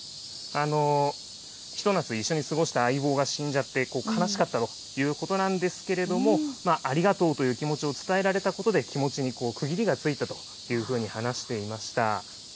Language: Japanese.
ひと夏、一緒に過ごした相棒が死んじゃって、悲しかったということなんですけれども、ありがとうという気持ちを伝えられたことで気持ちに区切りがついたというふうに話していました。